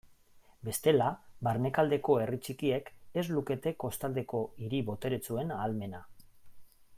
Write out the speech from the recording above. Bestela, barnealdeko herri txikiek ez lukete kostaldeko hiri boteretsuen ahalmena.